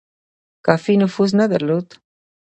کافي نفوذ نه درلود.